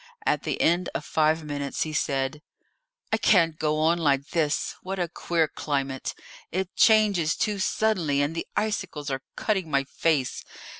At the end of five minutes he said: "I can't go on like this! What a queer climate! It changes too suddenly, and the icicles are cutting my face.